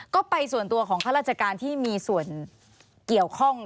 ก็ไปส่วนตัวของข้าราชการที่มีส่วนเกี่ยวข้อง